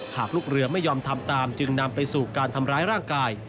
หากลูกเรือไม่ยอมทำตามจึงนำไปสู่การทำร้ายร่างกาย